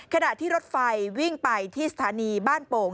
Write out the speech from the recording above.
ขณะที่รถไฟวิ่งไปที่สถานีบ้านโป่ง